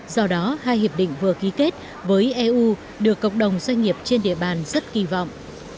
do đó hai hiệp định vừa ký kết với eu được cộng đồng doanh nghiệp trên địa bàn rất kỳ vọng